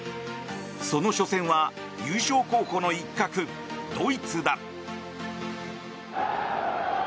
その初戦は優勝候補の一角ドイツだ。